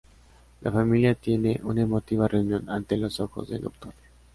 La familia tiene una emotiva reunión ante los ojos del Doctor.